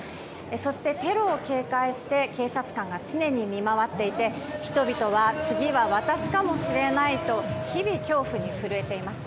そしてテロを警戒して警察官が常に見回っていて人々は、次は私かもしれないと日々、恐怖に震えています。